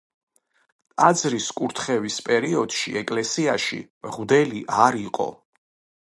ტაძრის კურთხევის პერიოდში ეკლესიაში მღვდელი არ იყო.